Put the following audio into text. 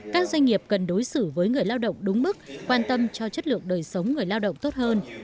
các doanh nghiệp cần đối xử với người lao động đúng mức quan tâm cho chất lượng đời sống người lao động tốt hơn